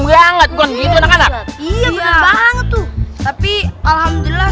banget kan gitu anak anak iya banget tuh tapi alhamdulillah